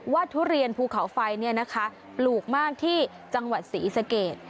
ว่าทุเรียนภูเขาไฟเนี่ยนะคะหลุกมากที่จังหวัดศรีสเกต